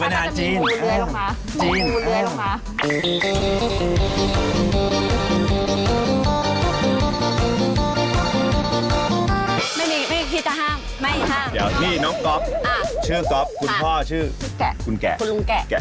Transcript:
อันนั้นไม่มีรถจอดเลยนะ